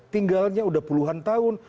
tinggalnya udah puluhan tahun